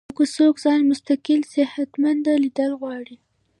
او کۀ څوک ځان مستقل صحتمند ليدل غواړي